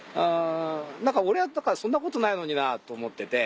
俺はそんなことないのになと思ってて。